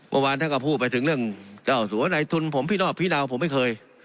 เมื่อวานท่านก็พูดไปถึงเรื่องเจ้าสัวในทุนผมพี่รอบพี่นาวผมไม่เคย